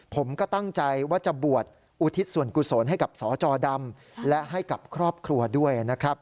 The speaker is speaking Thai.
ผมก็ตั้งใจว่าจะบวชอุทิศส่วนกุศลให้กับสจดำและให้กับครอบครัวด้วยนะครับ